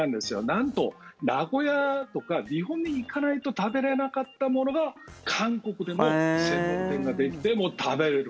なんと、名古屋とか日本に行かないと食べられなかったものが韓国でも専門店ができて食べられる。